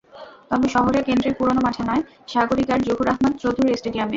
তবে শহরের কেন্দ্রের পুরোনো মাঠে নয়, সাগরিকার জহুর আহমদ চৌধুরী স্টেডিয়ামে।